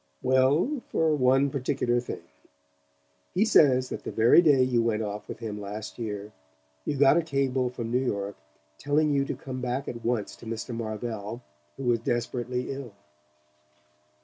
"Well, for one particular thing. He says that the very day you went off with him last year you got a cable from New York telling you to come back at once to Mr. Marvell, who was desperately ill."